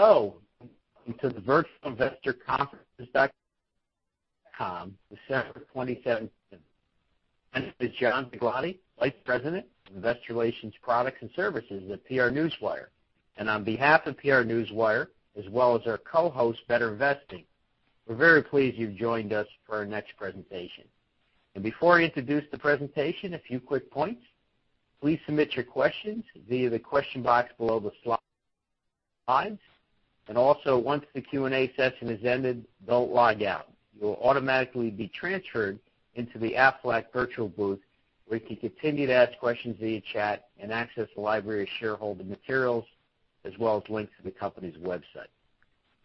Hello, and welcome to the virtualinvestorconferences.com, December 2017. My name is John Paglotti, Vice President of Investor Relations Product and Services at PR Newswire. On behalf of PR Newswire, as well as our co-host, BetterInvesting, we're very pleased you've joined us for our next presentation. Before I introduce the presentation, a few quick points. Please submit your questions via the question box below the slides. Also, once the Q&A session has ended, don't log out. You will automatically be transferred into the Aflac virtual booth, where you can continue to ask questions via chat and access the library of shareholder materials, as well as links to the company's website.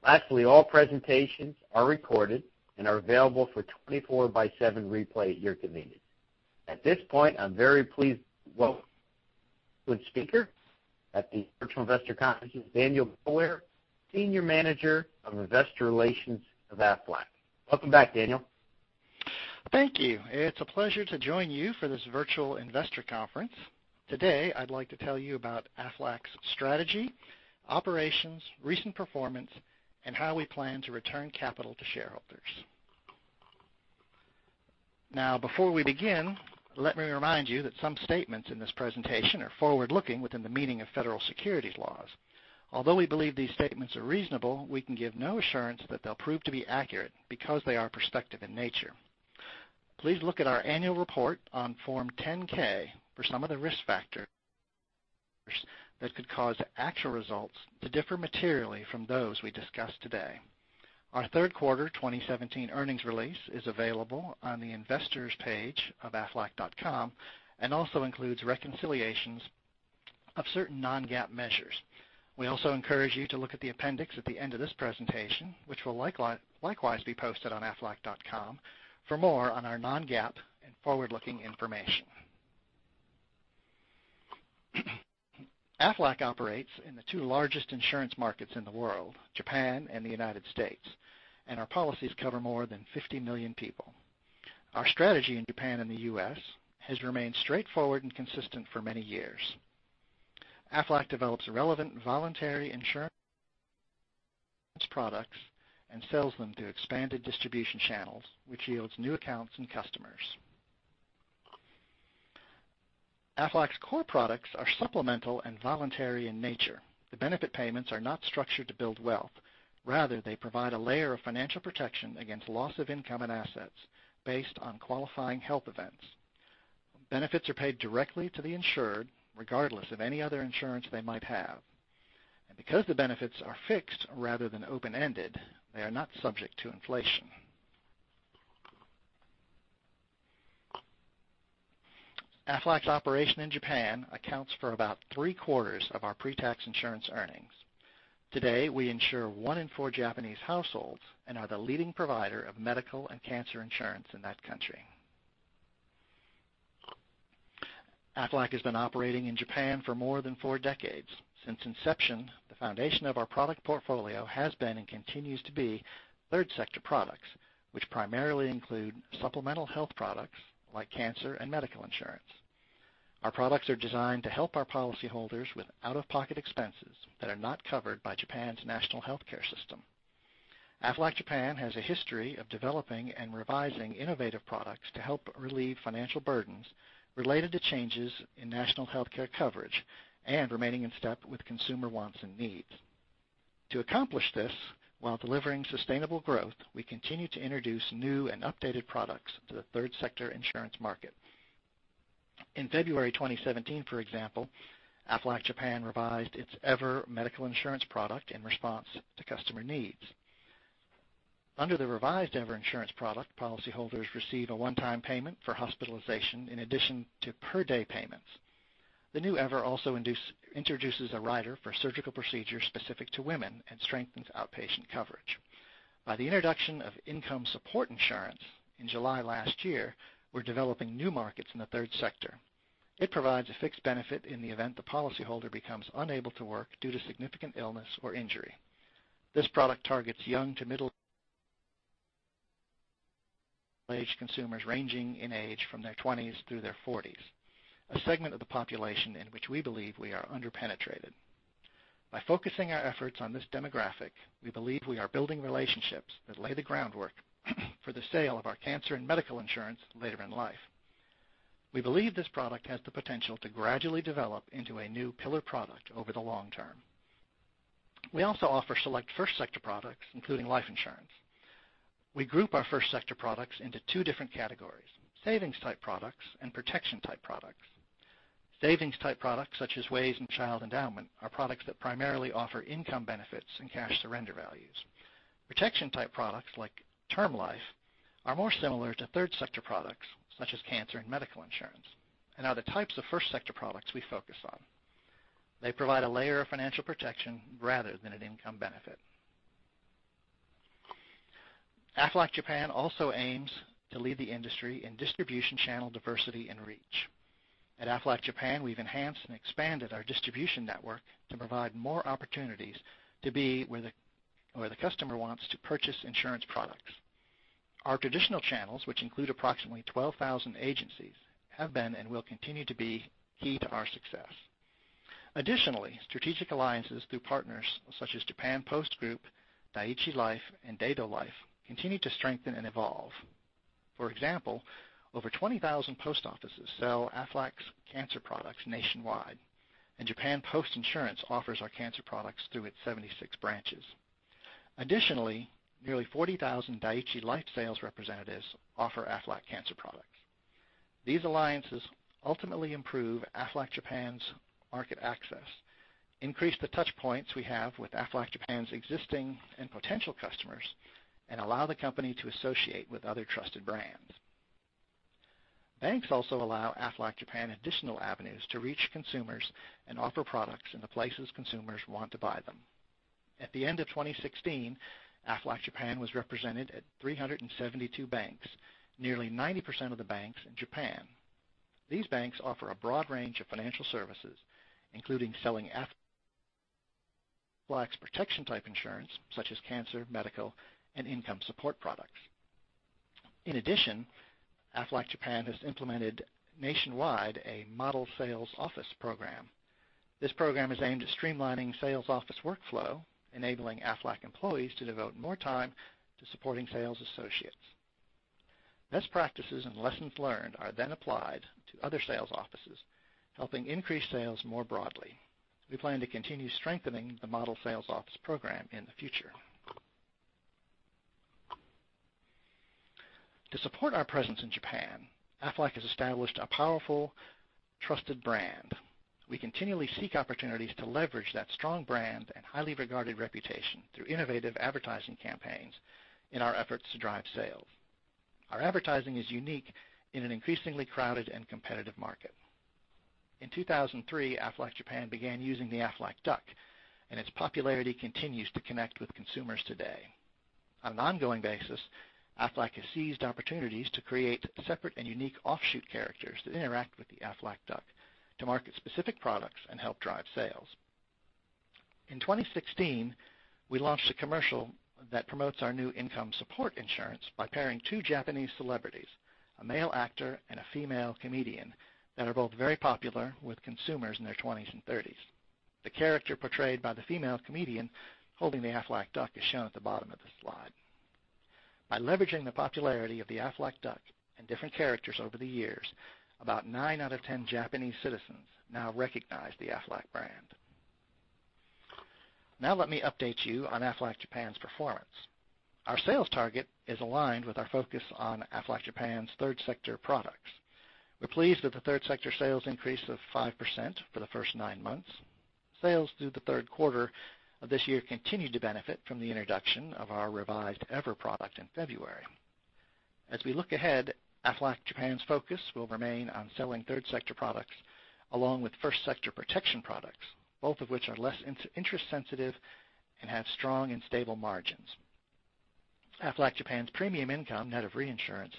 Lastly, all presentations are recorded and are available for 24/7 replay at your convenience. At this point, I'm very pleased to welcome speaker at the Virtual Investor Conference, Daniel Boulware, Senior Manager of Investor Relations of Aflac. Welcome back, Daniel. Thank you. It's a pleasure to join you for this virtual investor conference. Today, I'd like to tell you about Aflac's strategy, operations, recent performance, and how we plan to return capital to shareholders. Before we begin, let me remind you that some statements in this presentation are forward-looking within the meaning of federal securities laws. Although we believe these statements are reasonable, we can give no assurance that they'll prove to be accurate because they are prospective in nature. Please look at our annual report on Form 10-K for some of the risk factors that could cause actual results to differ materially from those we discuss today. Our third quarter 2017 earnings release is available on the investors page of aflac.com and also includes reconciliations of certain non-GAAP measures. We also encourage you to look at the appendix at the end of this presentation, which will likewise be posted on aflac.com for more on our non-GAAP and forward-looking information. Aflac operates in the two largest insurance markets in the world, Japan and the U.S., and our policies cover more than 50 million people. Our strategy in Japan and the U.S. has remained straightforward and consistent for many years. Aflac develops relevant voluntary insurance products and sells them through expanded distribution channels, which yields new accounts and customers. Aflac's core products are supplemental and voluntary in nature. The benefit payments are not structured to build wealth. Rather, they provide a layer of financial protection against loss of income and assets based on qualifying health events. Benefits are paid directly to the insured, regardless of any other insurance they might have. Because the benefits are fixed rather than open-ended, they are not subject to inflation. Aflac's operation in Japan accounts for about three-quarters of our pre-tax insurance earnings. Today, we insure one in four Japanese households and are the leading provider of medical and cancer insurance in that country. Aflac has been operating in Japan for more than four decades. Since inception, the foundation of our product portfolio has been and continues to be third sector products, which primarily include supplemental health products like cancer and medical insurance. Our products are designed to help our policyholders with out-of-pocket expenses that are not covered by Japan's national healthcare system. Aflac Japan has a history of developing and revising innovative products to help relieve financial burdens related to changes in national healthcare coverage and remaining in step with consumer wants and needs. To accomplish this while delivering sustainable growth, we continue to introduce new and updated products to the third sector insurance market. In February 2017, for example, Aflac Japan revised its EVER Medical Insurance product in response to customer needs. Under the revised EVER Insurance product, policyholders receive a one-time payment for hospitalization in addition to per-day payments. The new EVER also introduces a rider for surgical procedures specific to women and strengthens outpatient coverage. By the introduction of Income Support Insurance in July last year, we are developing new markets in the third sector. It provides a fixed benefit in the event the policyholder becomes unable to work due to significant illness or injury. This product targets young to middle-aged consumers ranging in age from their 20s through their 40s, a segment of the population in which we believe we are under-penetrated. By focusing our efforts on this demographic, we believe we are building relationships that lay the groundwork for the sale of our cancer and medical insurance later in life. We believe this product has the potential to gradually develop into a new pillar product over the long term. We also offer select first sector products, including life insurance. We group our first sector products into two different categories, savings-type products and protection-type products. Savings-type products such as WAYS and Child Endowment are products that primarily offer income benefits and cash surrender values. Protection-type products like term life are more similar to third sector products such as cancer and medical insurance and are the types of first sector products we focus on. They provide a layer of financial protection rather than an income benefit. Aflac Japan also aims to lead the industry in distribution channel diversity and reach. At Aflac Japan, we have enhanced and expanded our distribution network to provide more opportunities to be where the customer wants to purchase insurance products. Our traditional channels, which include approximately 12,000 agencies, have been and will continue to be key to our success. Additionally, strategic alliances through partners such as Japan Post Group, Dai-ichi Life, and Daido Life continue to strengthen and evolve. For example, over 20,000 post offices sell Aflac's cancer products nationwide, and Japan Post Insurance offers our cancer products through its 76 branches. Additionally, nearly 40,000 Dai-ichi Life sales representatives offer Aflac cancer products. These alliances ultimately improve Aflac Japan's market access, increase the touchpoints we have with Aflac Japan's existing and potential customers, and allow the company to associate with other trusted brands. Banks also allow Aflac Japan additional avenues to reach consumers and offer products in the places consumers want to buy them. At the end of 2016, Aflac Japan was represented at 372 banks, nearly 90% of the banks in Japan. These banks offer a broad range of financial services, including selling Aflac's protection-type insurance such as cancer, medical, and income support products. In addition, Aflac Japan has implemented nationwide a Model Sales Office program. This program is aimed at streamlining sales office workflow, enabling Aflac employees to devote more time to supporting sales associates. Best practices and lessons learned are then applied to other sales offices, helping increase sales more broadly. We plan to continue strengthening the Model Sales Office program in the future. To support our presence in Japan, Aflac has established a powerful, trusted brand. We continually seek opportunities to leverage that strong brand and highly regarded reputation through innovative advertising campaigns in our efforts to drive sales. Our advertising is unique in an increasingly crowded and competitive market. In 2003, Aflac Japan began using the Aflac Duck. Its popularity continues to connect with consumers today. On an ongoing basis, Aflac has seized opportunities to create separate and unique offshoot characters that interact with the Aflac Duck to market specific products and help drive sales. In 2016, we launched a commercial that promotes our new Income Support Insurance by pairing two Japanese celebrities, a male actor and a female comedian, that are both very popular with consumers in their 20s and 30s. The character portrayed by the female comedian holding the Aflac Duck is shown at the bottom of the slide. By leveraging the popularity of the Aflac Duck and different characters over the years, about nine out of 10 Japanese citizens now recognize the Aflac brand. Now let me update you on Aflac Japan's performance. Our sales target is aligned with our focus on Aflac Japan's third sector products. We're pleased with the third sector sales increase of 5% for the first nine months. Sales through the third quarter of this year continued to benefit from the introduction of our revised EVER product in February. As we look ahead, Aflac Japan's focus will remain on selling third sector products along with first sector protection products, both of which are less interest sensitive and have strong and stable margins. Aflac Japan's premium income, net of reinsurance,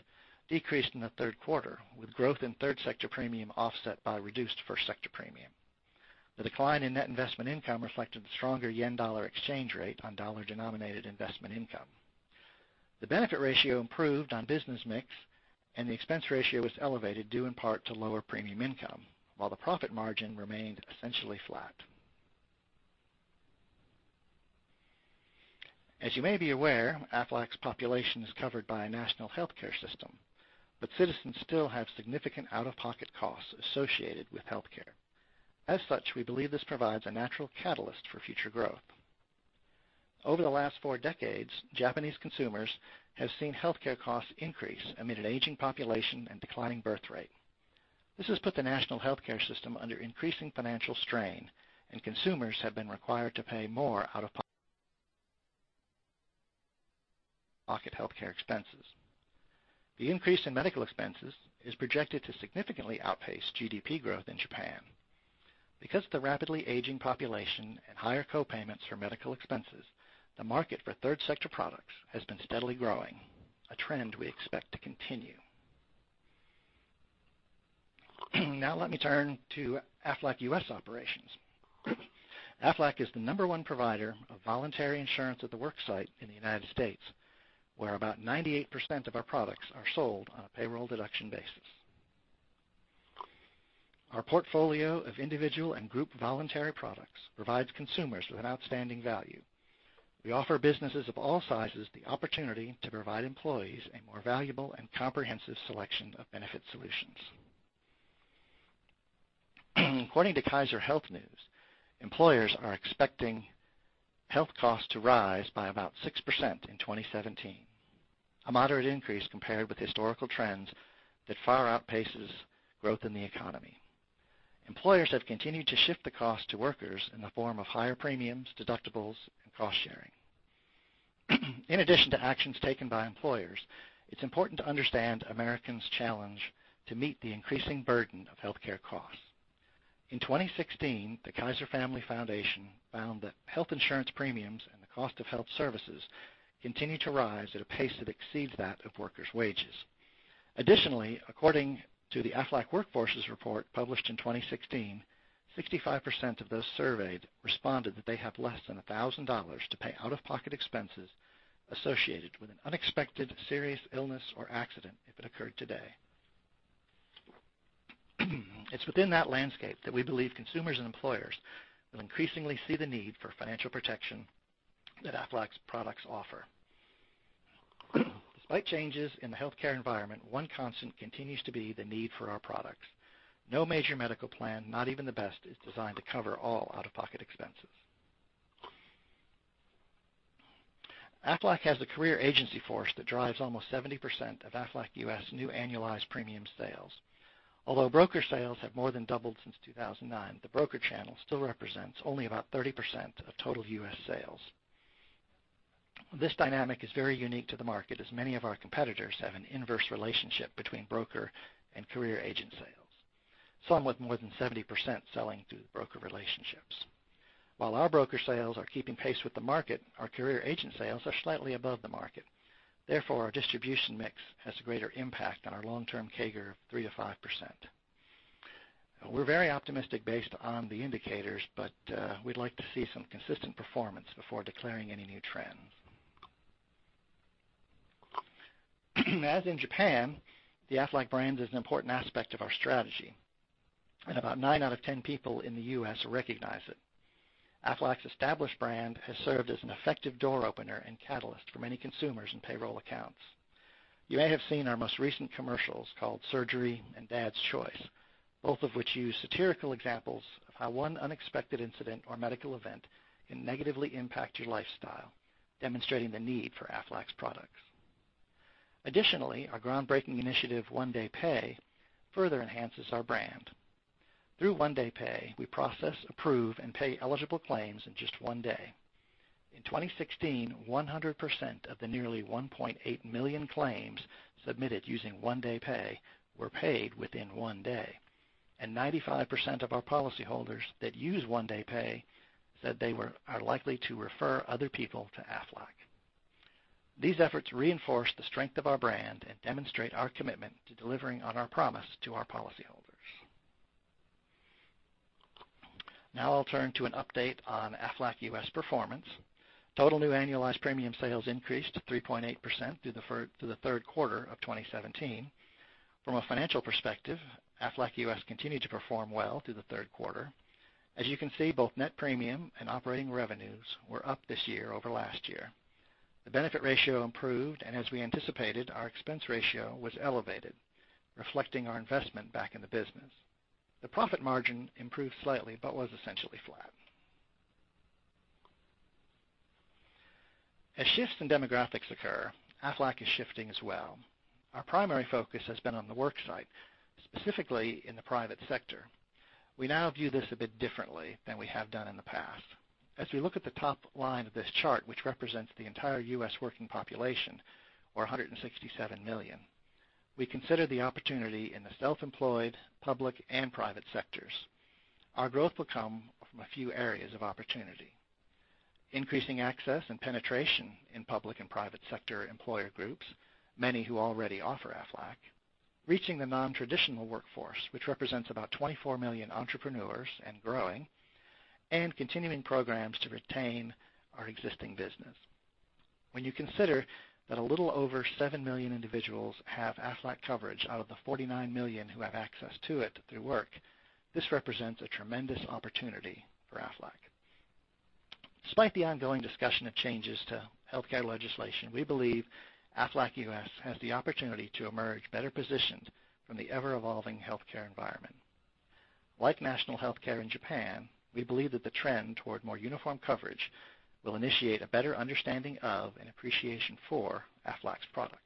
decreased in the third quarter with growth in third sector premium offset by reduced first sector premium. The decline in net investment income reflected the stronger yen-dollar exchange rate on dollar-denominated investment income. The benefit ratio improved on business mix. The expense ratio was elevated due in part to lower premium income, while the profit margin remained essentially flat. As you may be aware, Aflac's population is covered by a national healthcare system, but citizens still have significant out-of-pocket costs associated with healthcare. As such, we believe this provides a natural catalyst for future growth. Over the last four decades, Japanese consumers have seen healthcare costs increase amid an aging population and declining birth rate. This has put the national healthcare system under increasing financial strain, and consumers have been required to pay more out-of-pocket healthcare expenses. The increase in medical expenses is projected to significantly outpace GDP growth in Japan. Because of the rapidly aging population and higher co-payments for medical expenses, the market for third sector products has been steadily growing, a trend we expect to continue. Now let me turn to Aflac US operations. Aflac is the number one provider of voluntary insurance at the worksite in the U.S., where about 98% of our products are sold on a payroll deduction basis. Our portfolio of individual and group voluntary products provides consumers with an outstanding value. We offer businesses of all sizes the opportunity to provide employees a more valuable and comprehensive selection of benefit solutions. According to Kaiser Health News, employers are expecting health costs to rise by about 6% in 2017, a moderate increase compared with historical trends that far outpaces growth in the economy. Employers have continued to shift the cost to workers in the form of higher premiums, deductibles, and cost-sharing. In addition to actions taken by employers, it's important to understand Americans' challenge to meet the increasing burden of healthcare costs. In 2016, the Kaiser Family Foundation found that health insurance premiums and the cost of health services continue to rise at a pace that exceeds that of workers' wages. Additionally, according to the Aflac WorkForces Report published in 2016, 65% of those surveyed responded that they have less than $1,000 to pay out-of-pocket expenses associated with an unexpected serious illness or accident if it occurred today. It's within that landscape that we believe consumers and employers will increasingly see the need for financial protection that Aflac's products offer. Despite changes in the healthcare environment, one constant continues to be the need for our products. No major medical plan, not even the best, is designed to cover all out-of-pocket expenses. Aflac has a career agency force that drives almost 70% of Aflac US' new annualized premium sales. Although broker sales have more than doubled since 2009, the broker channel still represents only about 30% of total U.S. sales. This dynamic is very unique to the market, as many of our competitors have an inverse relationship between broker and career agent sales, some with more than 70% selling through broker relationships. While our broker sales are keeping pace with the market, our career agent sales are slightly above the market. Therefore, our distribution mix has a greater impact on our long-term CAGR of 3%-5%. We're very optimistic based on the indicators, but we'd like to see some consistent performance before declaring any new trends. As in Japan, the Aflac brand is an important aspect of our strategy, and about nine out of 10 people in the U.S. recognize it. Aflac's established brand has served as an effective door opener and catalyst for many consumers and payroll accounts. You may have seen our most recent commercials called Surgery and Dad's Choice, both of which use satirical examples of how one unexpected incident or medical event can negatively impact your lifestyle, demonstrating the need for Aflac's products. Additionally, our groundbreaking initiative, One Day Pay, further enhances our brand. Through One Day Pay, we process, approve, and pay eligible claims in just one day. In 2016, 100% of the nearly 1.8 million claims submitted using One Day Pay were paid within one day, and 95% of our policyholders that use One Day Pay said they are likely to refer other people to Aflac. These efforts reinforce the strength of our brand and demonstrate our commitment to delivering on our promise to our policyholders. Now I'll turn to an update on Aflac US performance. Total new annualized premium sales increased to 3.8% through the third quarter of 2017. From a financial perspective, Aflac US continued to perform well through the third quarter. As you can see, both net premium and operating revenues were up this year over last year. The benefit ratio improved, and as we anticipated, our expense ratio was elevated, reflecting our investment back in the business. The profit margin improved slightly but was essentially flat. As shifts in demographics occur, Aflac is shifting as well. Our primary focus has been on the work site, specifically in the private sector. We now view this a bit differently than we have done in the past. As we look at the top line of this chart, which represents the entire U.S. working population, or 167 million, we consider the opportunity in the self-employed, public, and private sectors. Our growth will come from a few areas of opportunity. Increasing access and penetration in public and private sector employer groups, many who already offer Aflac, reaching the non-traditional workforce, which represents about 24 million entrepreneurs and growing, and continuing programs to retain our existing business. When you consider that a little over 7 million individuals have Aflac coverage out of the 49 million who have access to it through work, this represents a tremendous opportunity for Aflac. Despite the ongoing discussion of changes to healthcare legislation, we believe Aflac US has the opportunity to emerge better positioned from the ever-evolving healthcare environment. Like national healthcare in Japan, we believe that the trend toward more uniform coverage will initiate a better understanding of and appreciation for Aflac's products.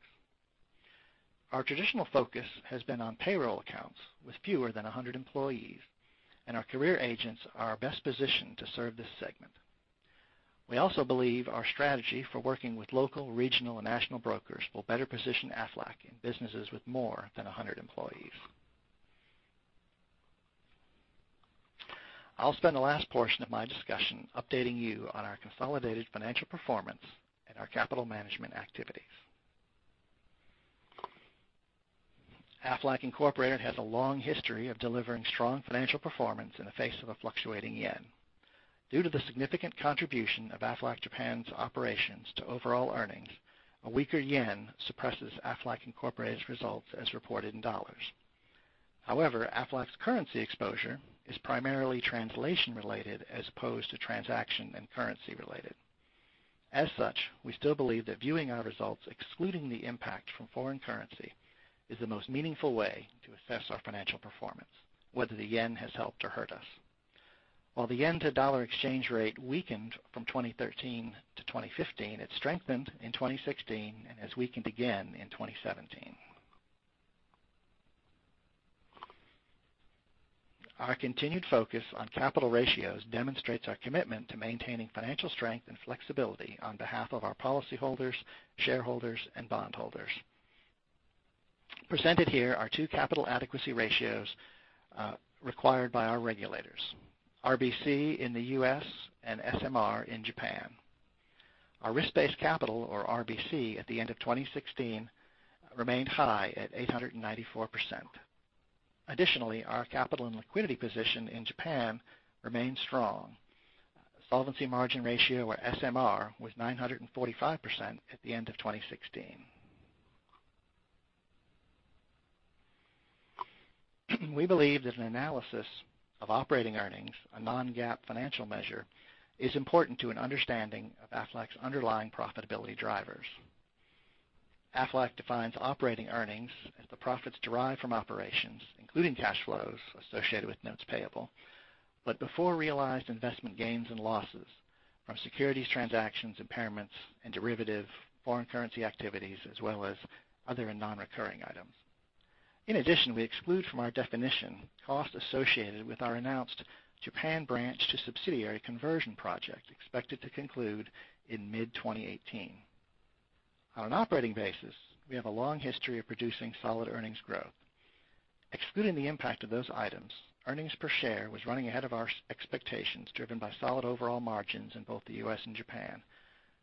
Our traditional focus has been on payroll accounts with fewer than 100 employees, and our career agents are best positioned to serve this segment. We also believe our strategy for working with local, regional, and national brokers will better position Aflac in businesses with more than 100 employees. I'll spend the last portion of my discussion updating you on our consolidated financial performance and our capital management activities. Aflac Incorporated has a long history of delivering strong financial performance in the face of a fluctuating yen. Due to the significant contribution of Aflac Japan's operations to overall earnings, a weaker yen suppresses Aflac Incorporated's results as reported in dollars. However, Aflac's currency exposure is primarily translation related as opposed to transaction and currency related. As such, we still believe that viewing our results excluding the impact from foreign currency is the most meaningful way to assess our financial performance, whether the yen has helped or hurt us. While the yen-to-dollar exchange rate weakened from 2013-2015, it strengthened in 2016 and has weakened again in 2017. Our continued focus on capital ratios demonstrates our commitment to maintaining financial strength and flexibility on behalf of our policyholders, shareholders, and bondholders. Presented here are two capital adequacy ratios required by our regulators, RBC in the U.S. and SMR in Japan. Our risk-based capital, or RBC, at the end of 2016 remained high at 894%. Additionally, our capital and liquidity position in Japan remains strong. Solvency margin ratio, or SMR, was 945% at the end of 2016. We believe that an analysis of operating earnings, a non-GAAP financial measure, is important to an understanding of Aflac's underlying profitability drivers. Aflac defines operating earnings as the profits derived from operations, including cash flows associated with notes payable, but before realized investment gains and losses from securities transactions, impairments, and derivative foreign currency activities, as well as other and non-recurring items. In addition, we exclude from our definition costs associated with our announced Japan branch to subsidiary conversion project, expected to conclude in mid-2018. On an operating basis, we have a long history of producing solid earnings growth. Excluding the impact of those items, earnings per share was running ahead of our expectations, driven by solid overall margins in both the U.S. and Japan.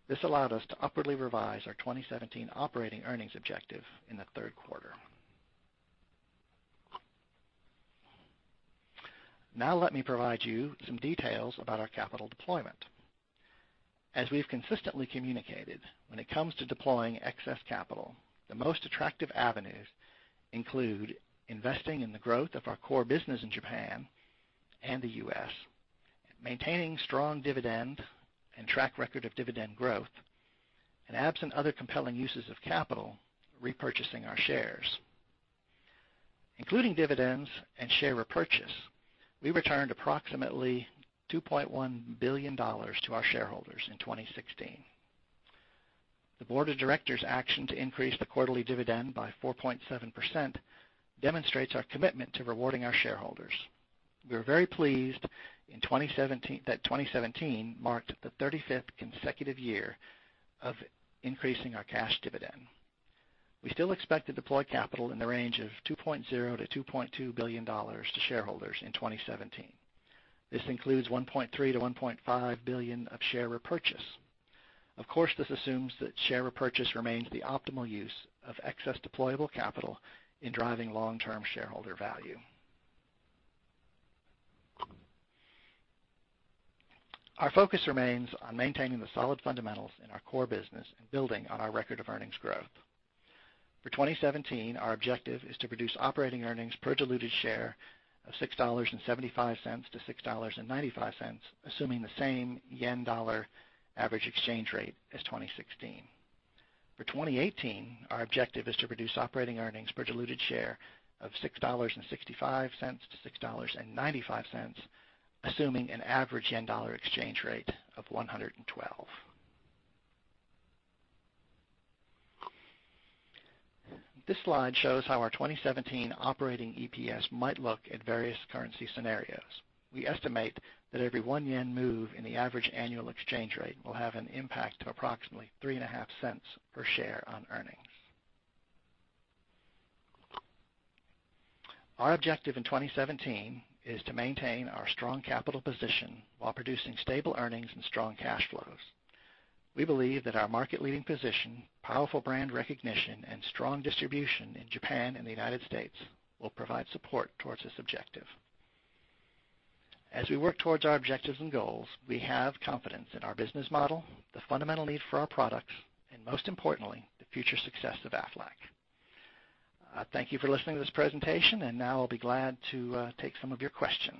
This allowed us to upwardly revise our 2017 operating earnings objective in the third quarter. Let me provide you some details about our capital deployment. As we've consistently communicated, when it comes to deploying excess capital, the most attractive avenues include investing in the growth of our core business in Japan and the U.S., maintaining strong dividend and track record of dividend growth, and absent other compelling uses of capital, repurchasing our shares. Including dividends and share repurchase, we returned approximately $2.1 billion to our shareholders in 2016. The board of directors' action to increase the quarterly dividend by 4.7% demonstrates our commitment to rewarding our shareholders. We are very pleased that 2017 marked the 35th consecutive year of increasing our cash dividend. We still expect to deploy capital in the range of $2.0 billion-$2.2 billion to shareholders in 2017. This includes $1.3 billion-$1.5 billion of share repurchase. This assumes that share repurchase remains the optimal use of excess deployable capital in driving long-term shareholder value. Our focus remains on maintaining the solid fundamentals in our core business and building on our record of earnings growth. For 2017, our objective is to produce operating earnings per diluted share of $6.75-$6.95, assuming the same yen-dollar average exchange rate as 2016. For 2018, our objective is to produce operating earnings per diluted share of $6.65-$6.95, assuming an average yen-dollar exchange rate of 112. This slide shows how our 2017 operating EPS might look at various currency scenarios. We estimate that every one yen move in the average annual exchange rate will have an impact of approximately $0.035 per share on earnings. Our objective in 2017 is to maintain our strong capital position while producing stable earnings and strong cash flows. We believe that our market leading position, powerful brand recognition, and strong distribution in Japan and the United States will provide support towards this objective. As we work towards our objectives and goals, we have confidence in our business model, the fundamental need for our products, and most importantly, the future success of Aflac. Thank you for listening to this presentation. Now I'll be glad to take some of your questions.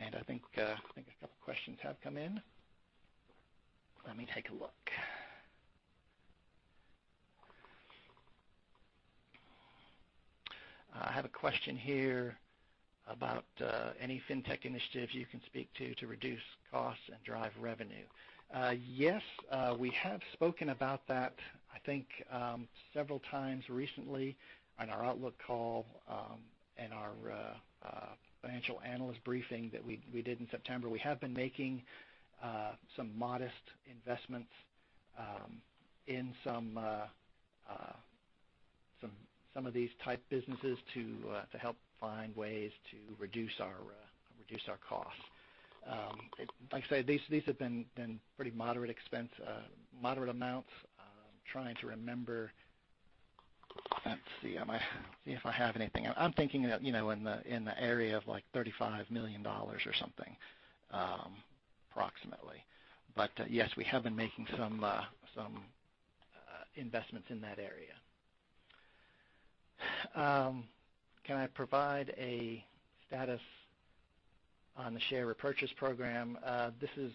I think a couple questions have come in. Let me take a look. I have a question here about any fintech initiatives you can speak to reduce costs and drive revenue. Yes, we have spoken about that I think several times recently on our outlook call and our financial analyst briefing that we did in September. We have been making some modest investments in some of these type businesses to help find ways to reduce our costs. Like I say, these have been pretty moderate expense, moderate amounts. I'm trying to remember. Let's see if I have anything. I'm thinking in the area of like $35 million or something, approximately. Yes, we have been making some investments in that area. Can I provide a status on the share repurchase program? This is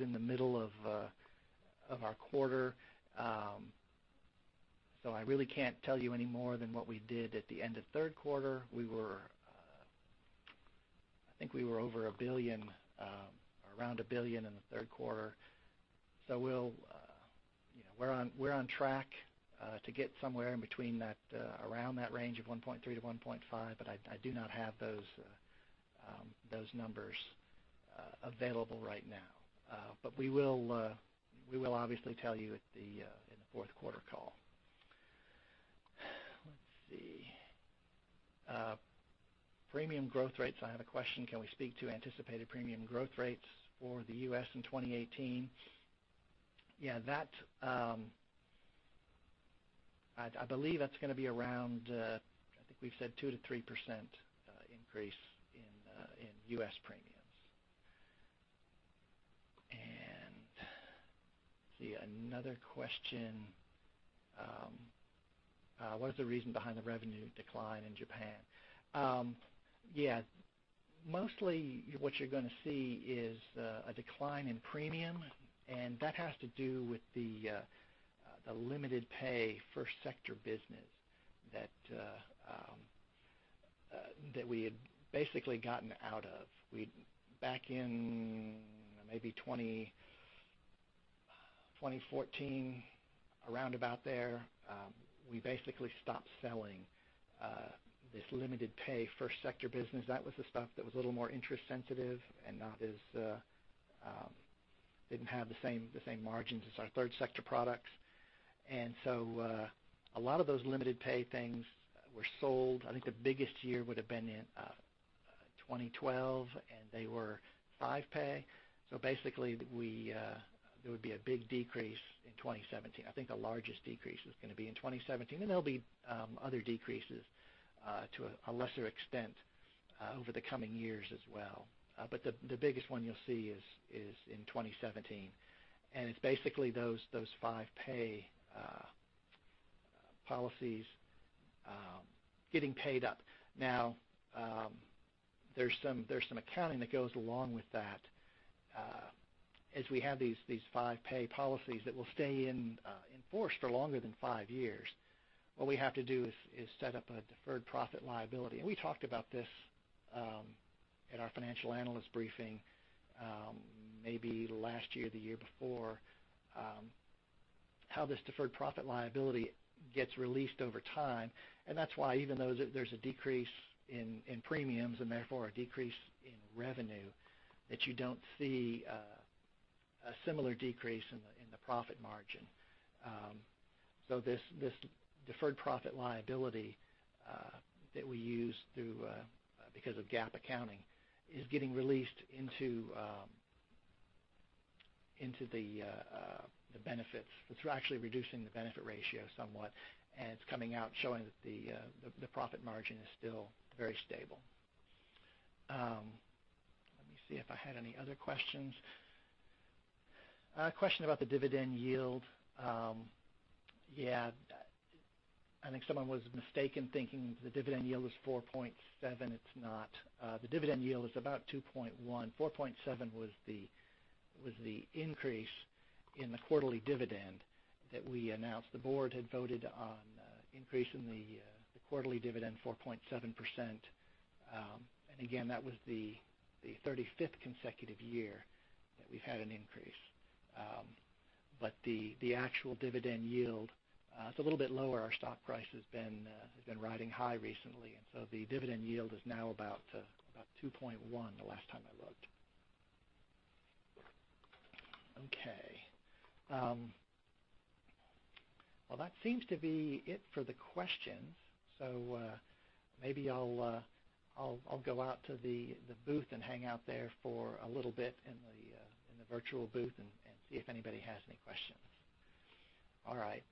in the middle of our quarter, so I really can't tell you any more than what we did at the end of third quarter. I think we were over $1 billion, around $1 billion in the third quarter. We're on track to get somewhere in between that, around that range of $1.3 billion-$1.5 billion, but I do not have those numbers available right now. We will obviously tell you in the fourth quarter call. Premium growth rates. I have a question. Can we speak to anticipated premium growth rates for the U.S. in 2018? I believe that's going to be around, I think we've said 2%-3% increase in U.S. premiums. Let's see, another question. What is the reason behind the revenue decline in Japan? Mostly what you're going to see is a decline in premium, and that has to do with the limited pay first sector business that we had basically gotten out of. Back in maybe 2014, around about there, we basically stopped selling this limited pay first sector business. That was the stuff that was a little more interest sensitive and didn't have the same margins as our third sector products. A lot of those limited pay things were sold. I think the biggest year would've been in 2012, and they were five pay. Basically, there would be a big decrease in 2017. I think the largest decrease is going to be in 2017, and there'll be other decreases to a lesser extent over the coming years as well. The biggest one you'll see is in 2017, and it's basically those five pay policies getting paid up. Now, there's some accounting that goes along with that as we have these five pay policies that will stay in force for longer than five years. What we have to do is set up a deferred profit liability. We talked about this in our financial analyst briefing, maybe last year or the year before, how this deferred profit liability gets released over time. That's why, even though there's a decrease in premiums, and therefore a decrease in revenue, that you don't see a similar decrease in the profit margin. This deferred profit liability that we use because of GAAP accounting is getting released into the benefits. It's actually reducing the benefit ratio somewhat, and it's coming out showing that the profit margin is still very stable. Let me see if I had any other questions. A question about the dividend yield. I think someone was mistaken thinking the dividend yield was 4.7%. It's not. The dividend yield is about 2.1%. 4.7% was the increase in the quarterly dividend that we announced. The board had voted on increasing the quarterly dividend 4.7%. Again, that was the 35th consecutive year that we've had an increase. The actual dividend yield is a little bit lower. Our stock price has been riding high recently. The dividend yield is now about 2.1% the last time I looked. Okay. Well, that seems to be it for the questions. Maybe I'll go out to the booth and hang out there for a little bit in the virtual booth and see if anybody has any questions. All right.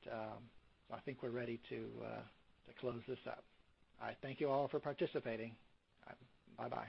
I think we're ready to close this out. Thank you all for participating. Bye-bye.